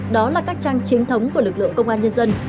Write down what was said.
đó là các trang chính thống của lực lượng công an nhân dân